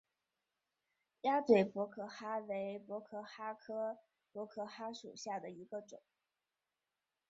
鸭嘴薄壳蛤为薄壳蛤科薄壳蛤属下的一个种。